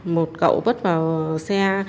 một cậu bất vào xe